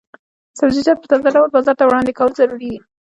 سبزیجات په تازه ډول بازار ته وړاندې کول ضروري دي.